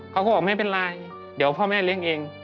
เขาก็บอกไม่เป็นไรเดี๋ยวพ่อแม่เลี้ยงเอง